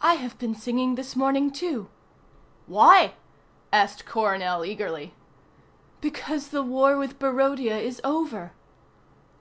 "I have been singing this morning, too." "Why?" asked Coronel eagerly. "Because the war with Barodia is over."